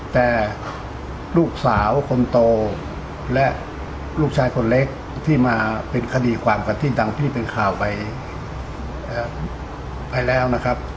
แต่ลูกสาวคนโตและลูกชายคนเล็กที่มาเป็นคดีความกันที่ดังที่เป็นข่าวไปแล้วนะครับ